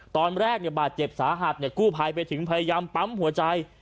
ตอนแรกบาดเจ็บสาหัสกู้ภัยไปถึงพยายามปั๊มหัวใจ